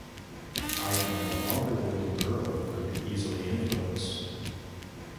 I am no longer the little girl who could be easily influenced.